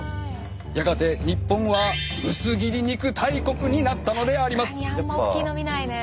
やがて日本は薄切り肉大国になったのであります。